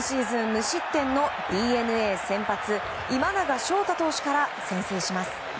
無失点のＤｅＮＡ先発今永昇太投手から先制します。